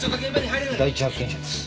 第一発見者です。